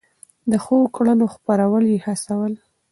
د ښو کړنو خپرول يې هڅول.